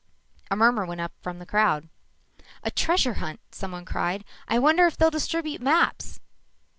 _" A murmur went up from the crowd. "A treasure hunt!" someone cried. "I wonder if they'll distribute maps!"